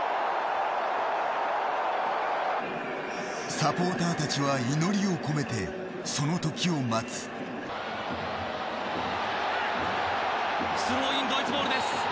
サポーターたちは祈りを込めてスローインドイツボールです。